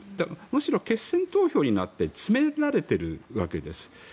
むしろ決選投票になって詰められてるわけです。